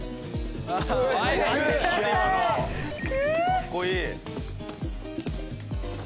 かっこいい。